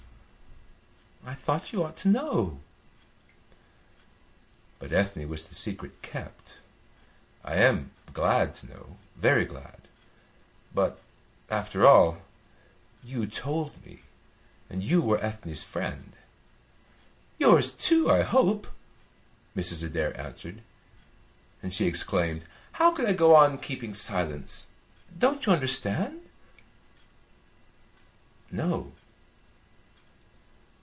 "I thought you ought to know." "But Ethne wished the secret kept. I am glad to know, very glad. But, after all, you told me, and you were Ethne's friend." "Yours, too, I hope," Mrs. Adair answered, and she exclaimed: "How could I go on keeping silence? Don't you understand?" "No."